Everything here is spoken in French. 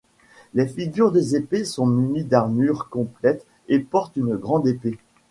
Les figures des épées sont munies d'armures complètes et portent une grande épée.